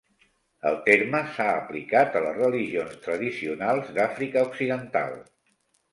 El terme s'ha aplicat a les religions tradicionals d'Àfrica Occidental.